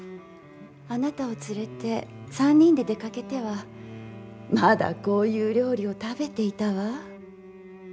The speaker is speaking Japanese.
あなたを連れて３人で出かけてはまだこういう料理を食べていたわ。